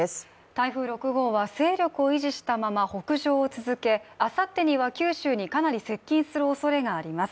台風６号は、勢力を維持したまま北上を続けあさってには九州にかなり接近するおそれがあります。